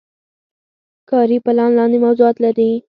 کاري پلان لاندې موضوعات لري.